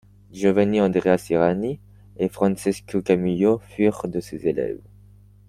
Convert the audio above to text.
Giovanni Andrea Sirani et Francesco Camullo furent de ses élèves.